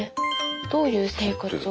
どういう生活を。